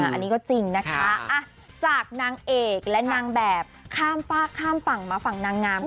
อันนี้ก็จริงนะคะจากนางเอกและนางแบบข้ามฝากข้ามฝั่งมาฝั่งนางงาม